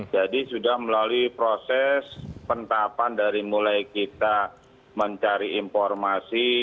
jadi sudah melalui proses pentapan dari mulai kita mencari informasi